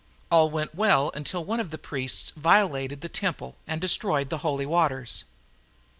All went well until one of the priests violated the temple and destroyed the holy waters.